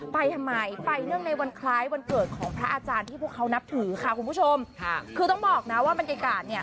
ไปทำไมไปเนื่องในวันคล้ายวันเกิดของพระอาจารย์ที่พวกเขานับถือค่ะคุณผู้ชมค่ะคือต้องบอกนะว่าบรรยากาศเนี่ย